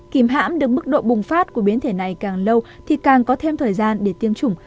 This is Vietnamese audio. kìm hãm được mức độ bùng phát của biến thể này càng lâu thì càng có thêm thời gian để tiêm chủng